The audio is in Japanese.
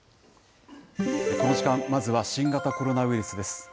この時間、まずは新型コロナウイルスです。